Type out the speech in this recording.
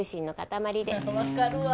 わかるわ。